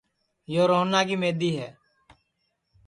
یو روہنا کی مِدؔی ہے